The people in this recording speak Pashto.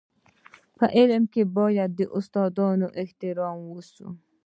په علم کي باید د استادانو احترام وسي.